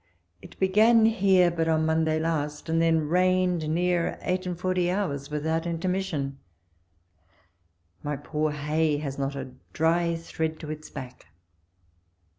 It began here but on Monday last, and then rained near eight and forty hours without intermission. My poor hay has not a dry thread to its back.